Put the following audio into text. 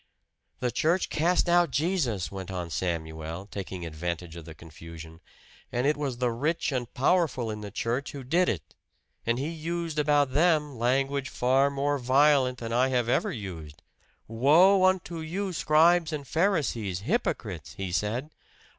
"The church cast out Jesus!" went on Samuel, taking advantage of the confusion. "And it was the rich and powerful in the church who did it. And he used about them language far more violent than I have ever used. 'Woe unto you, scribes and pharisees, hypocrites!' he said.